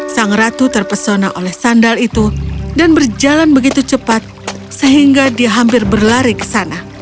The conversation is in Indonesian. sang ratu terpesona oleh sandal itu dan berjalan begitu cepat sehingga dia hampir berlari ke sana